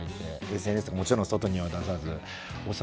ＳＮＳとかもちろん外には出さず。